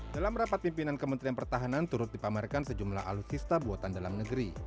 dalam rapat pimpinan kementerian pertahanan turut dipamerkan sejumlah alutsista buatan dalam negeri